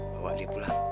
bawa di pulang